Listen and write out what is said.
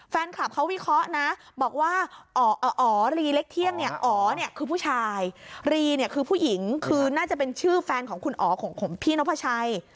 แฟนคลับเขาวิเคราะห์นะบอกว่าอ๋อรีเล็กเที่ยงเนี่ยอ๋อเนี่ยคือผู้ชายรีเนี่ยคือผู้หญิงคือน่าจะเป็นชื่อแฟนของคุณอ๋อของพี่นพชัย